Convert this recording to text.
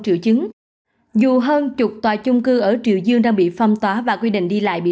triệu chứng dù hơn chục tòa chung cư ở triều dương đang bị phong tỏa và quy định đi lại bị